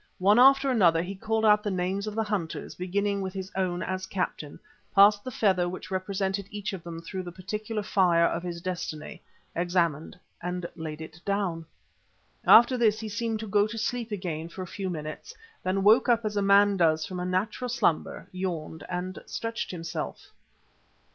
One after another he called out the names of the hunters, beginning with his own as captain; passed the feather which represented each of them through the particular fire of his destiny, examined and laid it down. After this he seemed to go to sleep again for a few minutes, then woke up as a man does from a natural slumber, yawned and stretched himself.